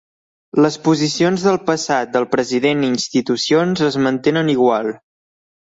Les posicions del passat del president i institucions es mantenen igual.